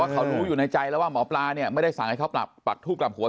เขารู้อยู่ในใจแล้วว่าหมอปลาเนี่ยไม่ได้สั่งให้เขาปรับปักทูบกลับหัว